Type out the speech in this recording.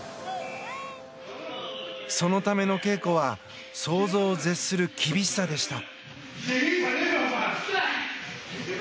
そのための稽古は想像を絶する厳しさでした。